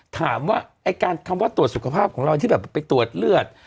ถามว่าไอ้การคำว่าตรวจสุขภาพของเราที่แบบไปตรวจเลือด